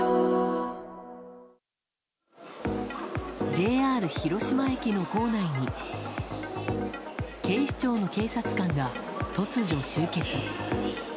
ＪＲ広島駅の構内に警視庁の警察官が突如、集結。